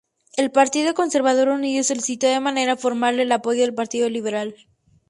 El Partido Conservador Unido solicitó de manera formal el apoyo del Partido Liberal.